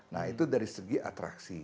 nah itu dari segi atraksi